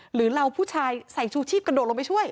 หรือเราผู้ชายใส่ชูชีพกระโดดลงไปช่วย